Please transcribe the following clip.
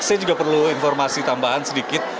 saya juga perlu informasi tambahan sedikit